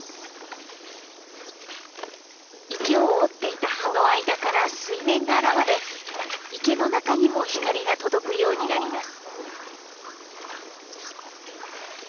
池を覆っていた葉の間から水面が現れ池の中にも光が届くようになります。